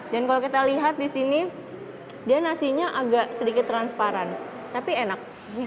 dan kalau kita lihat disini dia nasinya agak sedikit transparan tapi enak